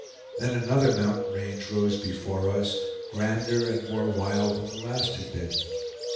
Then another mountain range rose before us, grander and more wild than the last had been.